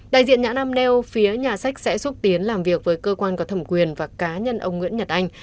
đại diện nhãn năm nêu phía nhà sách sẽ xúc tiến làm việc với cơ quan có thẩm quyền và cá nhân ông nguyễn nhật anh